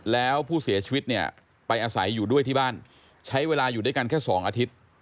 แล้วผู้เสียชีวิตเนี่ยไปอาศัยอยู่ด้วยที่บ้านใช้เวลาอยู่ด้วยกันแค่๒อาทิตย์